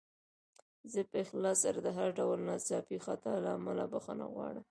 زه په اخلاص سره د هر ډول ناڅاپي خطا له امله بخښنه غواړم.